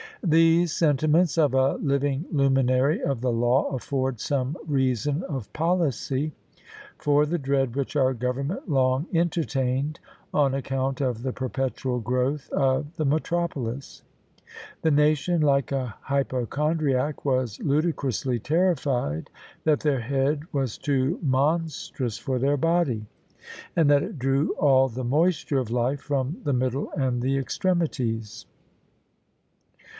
" These sentiments of a living luminary of the law afford some reason of policy for the dread which our government long entertained on account of the perpetual growth of the metropolis; the nation, like a hypochondriac, was ludicrously terrified that their head was too monstrous for their body, and that it drew all the moisture of life from the middle and the extremities.